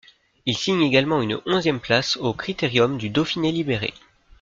Il signe également une onzième place au Critérium du Dauphiné libéré.